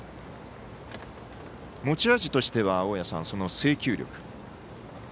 持ち味としては制球力。